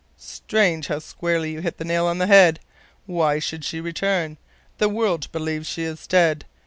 "Strange how squarely you hit the nail on the head! Why should she return? The world believes she is dead.